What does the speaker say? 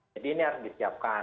jadi ini harus disiapkan